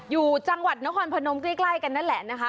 อยู่จังหวัดนครพนมใกล้กันนั่นแหละนะคะ